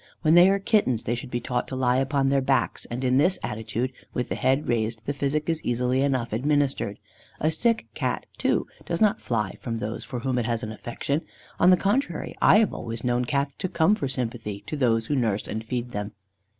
When they are Kittens, they should be taught to lie upon their backs, and in this attitude, with the head raised, the physic is easily enough administered. A sick Cat, too, does not fly from those for whom it has an affection; on the contrary, I have always known Cats to come for sympathy to those who nurse and feed them.